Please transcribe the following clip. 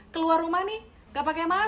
keluar rumah nih gak pakai mana